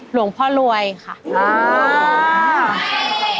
หลวงพ่อรวยค่ะ